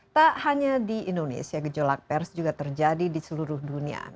tak hanya di indonesia gejolak pers juga terjadi di seluruh dunia